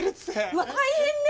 うわ大変ね！